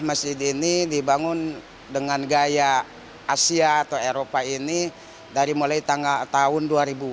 masjid ini dibangun dengan gaya asia atau eropa ini dari mulai tanggal tahun dua ribu